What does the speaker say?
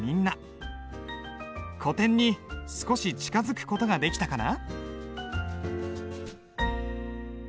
古典に少し近づく事ができたかな。